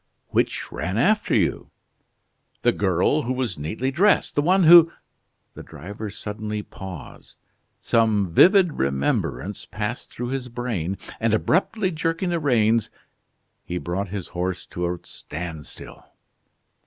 "Which ran after you?" "The girl who was neatly dressed, the one who " The driver suddenly paused: some vivid remembrance passed through his brain, and, abruptly jerking the rains, he brought his horse to a standstill.